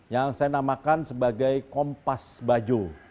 yang saya namakan sebagai kompas bajo